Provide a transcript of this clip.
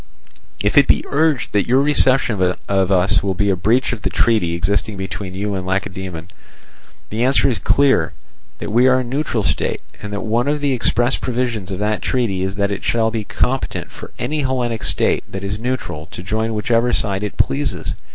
"If it be urged that your reception of us will be a breach of the treaty existing between you and Lacedaemon, the answer is that we are a neutral state, and that one of the express provisions of that treaty is that it shall be competent for any Hellenic state that is neutral to join whichever side it pleases.